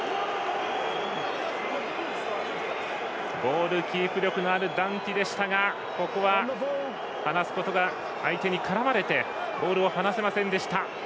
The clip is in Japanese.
ボールキープ力のあるダンティでしたがここは相手に絡まれてボールを離せませんでした。